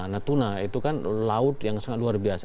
natuna itu kan laut yang sangat luar biasa